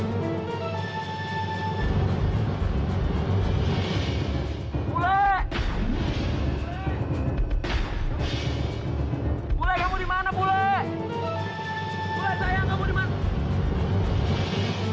kulek kulek kulek kulek kulek kamu dimana kulek kulek sayang kamu dimana